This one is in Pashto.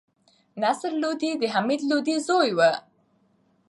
نصر لودي د حمید لودي زوی وو.